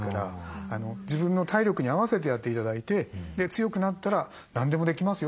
自分の体力に合わせてやって頂いて強くなったら何でもできます